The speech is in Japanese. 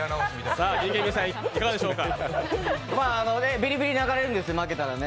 ビリビリ流れるんですよね、負けたらね。